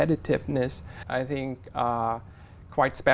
trong chính phủ